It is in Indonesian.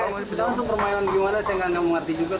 ya itu langsung permainan gimana saya tidak mengerti juga